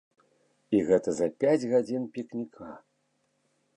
І гэта за пяць гадзін пікніка!